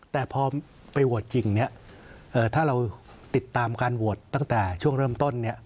แต่พอไปโหวตจริงเนี่ยถ้าเราติดตามการโหวตตั้งแต่ช่วงเริ่มต้นเนี่ย